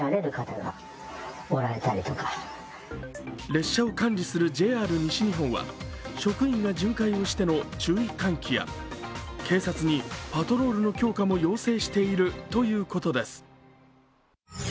列車を管理するＪＲ西日本は職員が巡回しての注意喚起や警察にパトロールの強化も要請しているということです。